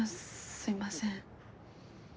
すいません。